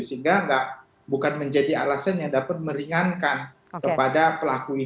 sehingga bukan menjadi alasan yang dapat meringankan kepada pelaku ini